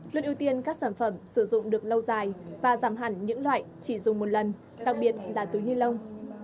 luôn ưu tiên các sản phẩm sử dụng được lâu dài và giảm hẳn những loại chỉ dùng một lần đặc biệt là túi ni lông